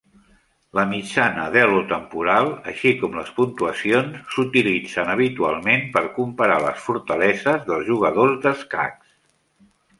La mitjana d'Elo temporal, així com les puntuacions, s'utilitzen habitualment per comparar les fortaleses dels jugadors d'escacs.